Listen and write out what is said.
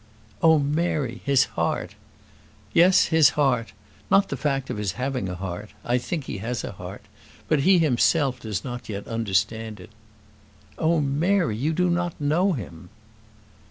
"Oh, Mary! his heart." "Yes, his heart; not the fact of his having a heart. I think he has a heart; but he himself does not yet understand it." "Oh, Mary! you do not know him."